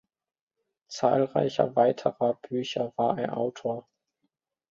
Zahlreicher weiterer Bücher war er Autor.